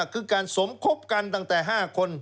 คือการสมคบกันตั้งแต่๕คน